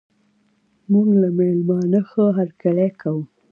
موږ له میلمانه ښه هرکلی کوو.